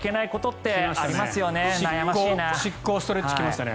執行ストレッチ来ましたね。